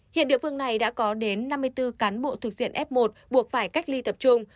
hiện địa phương này đã có đến năm mươi bốn cán bộ thuộc diện f một buộc phải cách ly tập trung